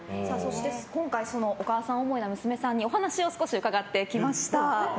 今回、お母さん思いな娘さんにお話を少し伺ってきました。